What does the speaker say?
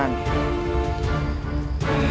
kami beristighfar kepada allah swt